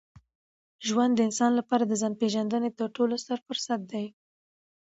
ژوند د انسان لپاره د ځان پېژندني تر ټولو ستر فرصت دی.